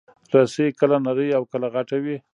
رسۍ کله نرۍ او کله غټه وي.